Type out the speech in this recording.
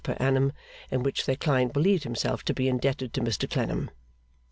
per annum, in which their client believed himself to be indebted to Mr Clennam.